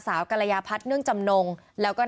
มีคนเสียชีวิตคุณ